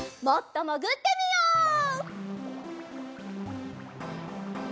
もっともぐってみよう！